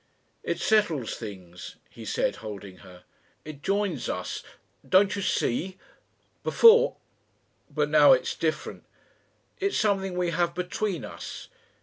"It settles things," he said, holding her. "It joins us. Don't you see? Before ... But now it's different. It's something we have between us.